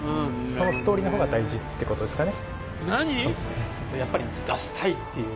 そのストーリーの方が大事ってことですかね？